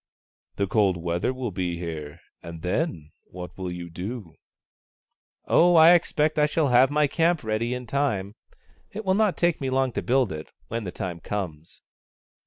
" The cold weather will be here, and then what will you do ?"" Oh, I expect I shall have my camp ready in time. It will not take me long to build it, when the time comes."